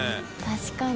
確かに。